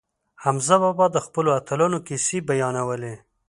حمزه بابا د خپلو اتلانو کیسې بیانولې.